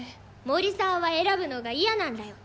森さんは選ぶのが嫌なんらよ。